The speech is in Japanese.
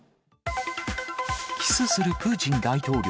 キスするプーチン大統領。